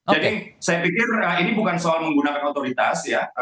jadi saya pikir ini bukan soal menggunakan otoritas ya